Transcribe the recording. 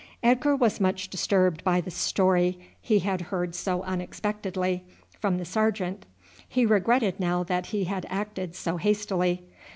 Edgar was much disturbed by the story he had heard so unexpectedly from the sergeant. He regretted now that he had acted so hastily.